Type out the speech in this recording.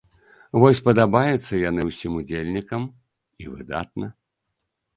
Вось падабаецца яны ўсім удзельнікам, і выдатна.